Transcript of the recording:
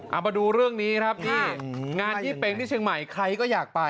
เอามาดูเรื่องนี้ครับนี่งานยี่เป็งที่เชียงใหม่ใครก็อยากไป